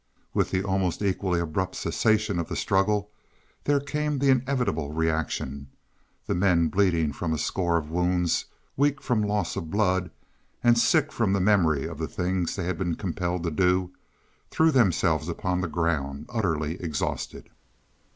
With the almost equally abrupt cessation of the struggle there came the inevitable reaction; the men bleeding from a score of wounds, weak from loss of blood, and sick from the memory of the things they had been compelled to do, threw themselves upon the ground utterly exhausted.